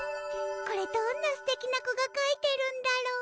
これどんなすてきな子が書いてるんだろう？